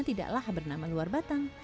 masyarakat buruk wayang